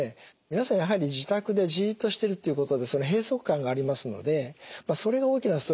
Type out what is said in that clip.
皆さんやはり自宅でじっとしてるっていうことで閉塞感がありますのでそれが大きなストレスになっている。